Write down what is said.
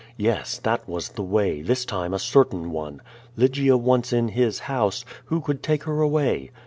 Yes, that was the way, this time a certain one. Lygia once in his house, who could take her away?